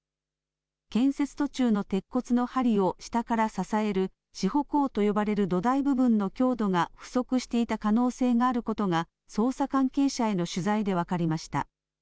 建設途中の鉄骨のはりを下から支える支保工と呼ばれる土台部分の強度が不足していた可能性があることが捜査関係者への取材で分かりました。